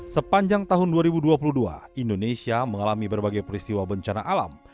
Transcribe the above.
sepanjang tahun dua ribu dua puluh dua indonesia mengalami berbagai peristiwa bencana alam